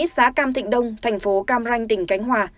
xã cam thịnh đông thành phố cam ranh tỉnh khánh hòa